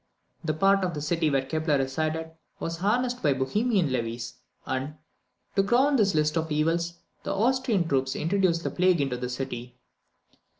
The part of the city where Kepler resided was harassed by the Bohemian levies, and, to crown this list of evils, the Austrian troops introduced the plague into the city.